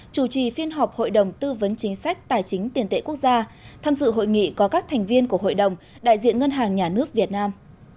chủ trì phiên họp hội đồng tư vấn chính sách tài chính tiền tệ quốc gia tham dự hội nghị có các thành viên của hội đồng đại diện ngân hàng nhà nước việt nam